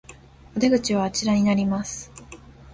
お出口はあちらになります